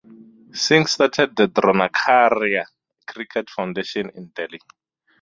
Singh started the Dronacharya Cricket Foundation in Delhi.